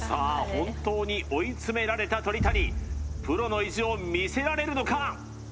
本当に追いつめられた鳥谷プロの意地を見せられるのか？